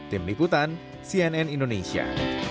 tim liputan cnn indonesia